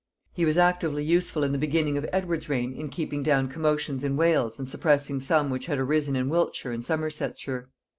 He was actively useful in the beginning of Edward's reign in keeping down commotions in Wales and suppressing some which had arisen in Wiltshire and Somersetshire.